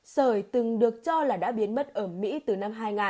sởi từng được cho là đã biến mất ở mỹ từ năm hai nghìn